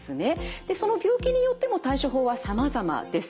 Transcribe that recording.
でその病気によっても対処法はさまざまです。